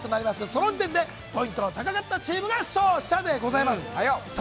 その時点でポイントの高かったチームが勝者です。